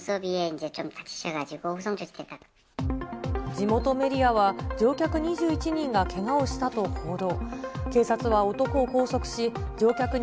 地元メディアは、乗客２１人がけがをしたと報道。